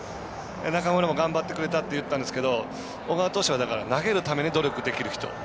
中村も頑張ってくれたって言ったんですけど小川投手は投げるために努力できる人。